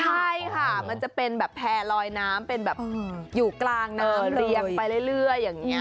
ใช่ค่ะมันจะเป็นแบบแพร่ลอยน้ำเป็นแบบอยู่กลางน้ำเรียงไปเรื่อยอย่างนี้